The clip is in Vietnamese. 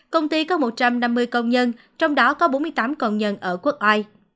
công ty có một trăm năm mươi công nhân trong đó có bốn mươi tám công nhân ở quốc ai